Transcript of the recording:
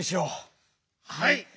はい。